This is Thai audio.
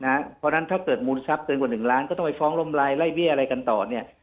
เพราะฉะนั้นถ้าเกิดมูลทรัพย์เกินกว่า๑ล้านก็ต้องไปฟ้องล้มลายไล่เบี้ยอะไรกันต่อเนี่ย